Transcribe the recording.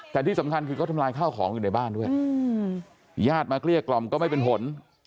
แต่ที่สำคัญคือเขาทำลายข้าวของอยู่ในบ้านด้วยญาติมาเกลี้ยกล่อมก็ไม่เป็นผล